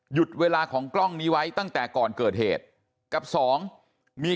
เวลาของกล้องนี้ไว้ตั้งแต่ก่อนเกิดเหตุกับสองมี